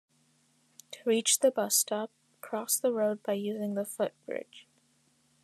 To reach the bus stop, cross the road by using the footbridge.